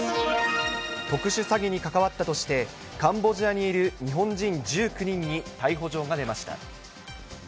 特殊詐欺に関わったとして、カンボジアにいる日本人１９人に逮捕状が出ました。